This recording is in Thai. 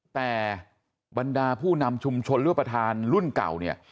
แต่บรรดาผู้นำชุมชนหรือว่าประธานรุ่นเก่าเนี่ย